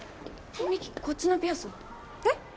美紀こっちのピアスは？えっ？